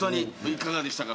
いかがでしたか？